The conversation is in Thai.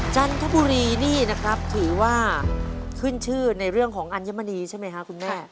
จันทบุรีนี่นะครับถือว่าขึ้นชื่อในเรื่องของอัญมณีใช่ไหมคะคุณแม่